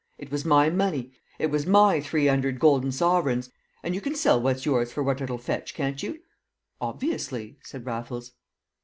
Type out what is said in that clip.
"It was my money; it was my three 'undred golden sovereigns; and you can sell what's yours for what it'll fetch, can't you?" "Obviously," said Raffles.